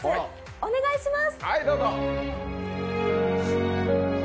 お願いします。